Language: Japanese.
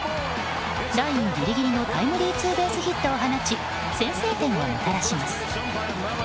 ラインギリギリのタイムリーツーベースヒットを放ち、先制点をもたらします。